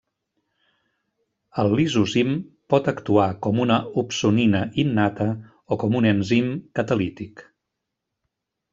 El lisozim pot actuar com una opsonina innata o com un enzim catalític.